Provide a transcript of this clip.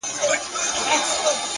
پوهه د ذهن پټې لارې روښانوي